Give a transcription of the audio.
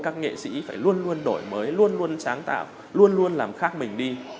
các nghệ sĩ phải luôn luôn đổi mới luôn luôn sáng tạo luôn luôn làm khác mình đi